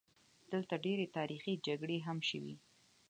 دلته ډېرې تاریخي جګړې هم شوي.